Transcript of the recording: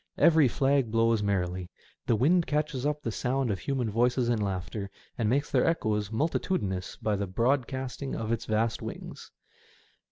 Every flag blows merrily; the wind catches up the sound of human voices and laughter, and makes their echoes multitudinous by the broad casting of its vast wings.